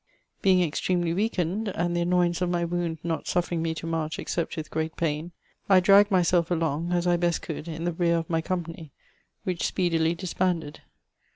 Beiog extremely weak^ied, and the annoyance of my wound not suffering me to march except with great pain, I dragged myself along, as I best could, in ihe rear of my company, which speedily disbanded.